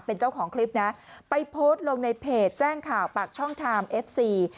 เป็นเจ้าของคลิปนะไปโพสต์ลงในเพจแจ้งข่าวปากช่องไทม์เอฟซี